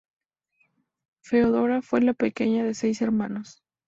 Feodora fue la pequeña de seis hermanos.